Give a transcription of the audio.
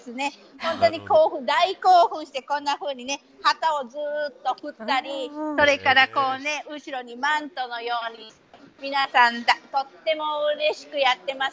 本当に大興奮してこんなふうに旗をずっと振ったりそれから後ろにマントのように皆さん、とってもうれしくやっています。